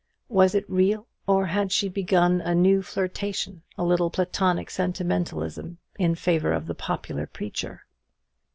was it real, or had she begun a new flirtation, a little platonic sentimentalism in favour of the popular preacher?